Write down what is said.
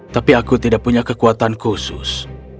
tapi aku tidak punya kekuatan khusus